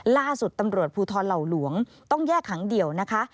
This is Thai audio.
ล่าสุดตำรวจภูทรเหล่าหลวงต้องแยกขังเดี่ยวนะคะ